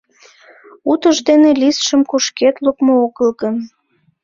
Утыж дене листшым кушкед лукмо огыл гын...